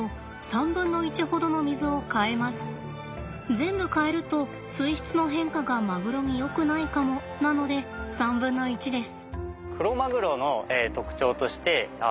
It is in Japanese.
全部換えると水質の変化がマグロによくないかもなので３分の１です。